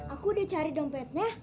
aku udah cari dompetnya